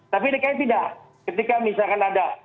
tapi dki tidak ketika misalkan ada